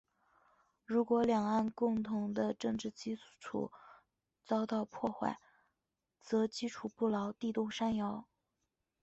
如果两岸共同的政治基础遭到破坏，则基础不牢，地动山摇。